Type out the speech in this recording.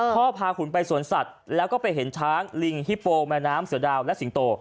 พาขุนไปสวนสัตว์แล้วก็ไปเห็นช้างลิงฮิโปแม่น้ำเสือดาวและสิงโต